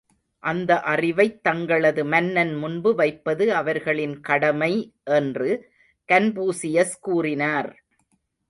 அந்த அறிவைத் தங்களது மன்னன் முன்பு வைப்பது அவர்களின் கடமை என்று கன்பூசியஸ் கூறினார்.